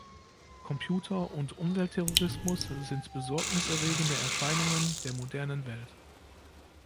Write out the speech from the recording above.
Computer- und Umweltterrorismus sind Besorgnis erregende Erscheinungen der modernen Welt.